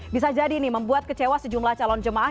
bisa jadi ini membuat kecewa sejumlah calon jemaah